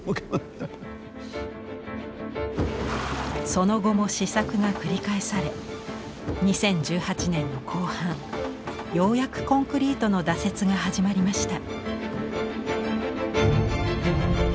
その後も試作が繰り返され２０１８年の後半ようやくコンクリートの打設が始まりました。